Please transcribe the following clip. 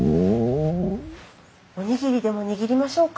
おにぎりでも握りましょうか？